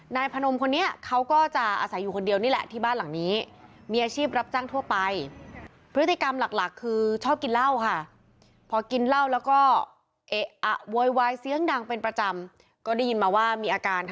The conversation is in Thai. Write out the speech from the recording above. นายพนมคนนี้เขาก็จะอาศัยอยู่คนเดียวนี่แหละที่บ้านหลังนี้